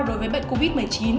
đối với bệnh covid một mươi chín